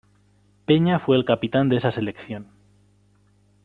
Peña fue el capitán de esa selección.